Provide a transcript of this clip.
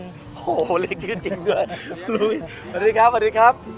โหเรียกชื่อจริงด้วยสวัสดีครับ